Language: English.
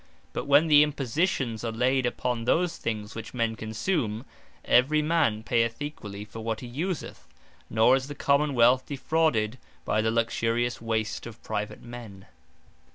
But when the Impositions, are layd upon those things which men consume, every man payeth Equally for what he useth: Nor is the Common wealth defrauded, by the luxurious waste of private men.